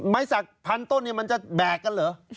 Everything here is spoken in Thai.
ไหมสักพันต้นมันจะแบกกันเหรอ